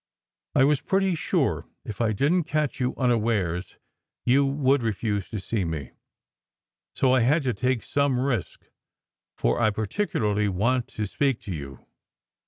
I was pretty sure if I didn t catch you unawares you would refuse to see me. So I had to take some risk, for I particularly want to speak to you."